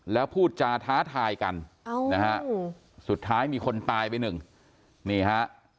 แล้วพูดจาท้าทายกันนะฮะสุดท้ายมีคนตายไปหนึ่งนี่ฮะ